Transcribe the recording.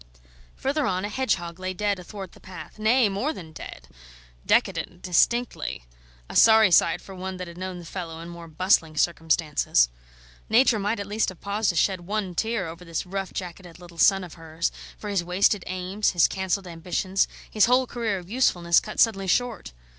Further on, a hedgehog lay dead athwart the path nay, more than dead; decadent, distinctly; a sorry sight for one that had known the fellow in more bustling circumstances. Nature might at least have paused to shed one tear over this rough jacketed little son of hers, for his wasted aims, his cancelled ambitions, his whole career of usefulness cut suddenly short.